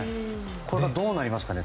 これはどうなりますかね